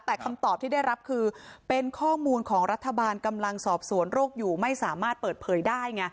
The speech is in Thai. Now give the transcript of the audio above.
แต่คำตอบที่ได้รับคือเป็นข้อมูลของรัฐบาลกำลังสอบสวนโรคอยู่ไม่สามารถเปิดเผยได้ไง